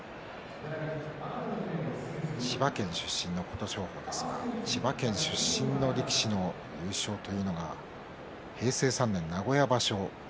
千葉県出身の琴勝峰ですが千葉県出身の力士の優勝というのが平成３年名古屋場所